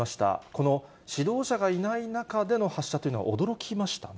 この指導者がいない中での発射というのは驚きましたね。